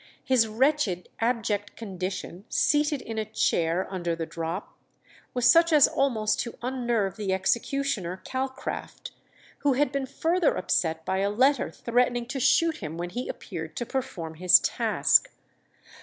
His wretched, abject condition, seated in a chair under the drop, was such as almost to unnerve the executioner Calcraft, who bad been further upset by a letter threatening to shoot him when he appeared to perform his task.